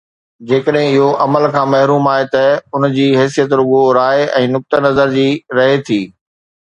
جيڪڏهن اهو عمل کان محروم آهي ته ان جي حيثيت رڳو راءِ ۽ نقطه نظر جي رهي ٿي